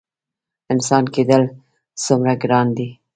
انسان کیدل څومره ګران دي؟